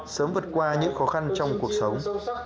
sớm vượt qua những khó khăn trong cuộc sống